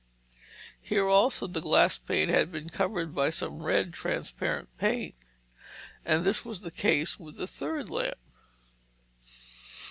Here also, the glass pane had been covered by some red, transparent paint. And this was the case with the third lamp.